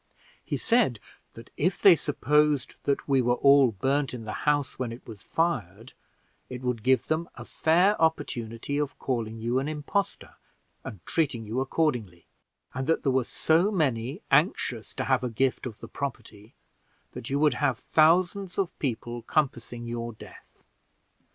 He said that if they supposed that we were all burned in the house when it was fired, it would give them a fair opportunity of calling you an impostor and treating you accordingly, and that there were so many anxious to have a gift of the property, that you would have thousands of people compassing your death.